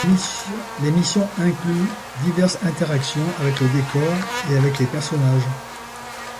Les missions incluent diverses interactions avec le décor et avec les personnages.